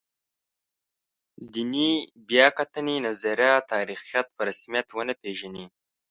دیني بیا کتنې نظریه تاریخیت په رسمیت ونه پېژني.